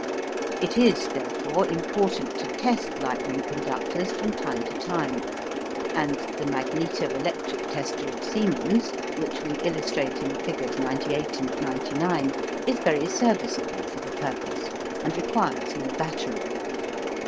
It is, therefore, important to test lightning conductors from time to time, and the magneto electric tester of Siemens, which we illustrate in figures 98 and 99, is very serviceable for the purpose, and requires no battery.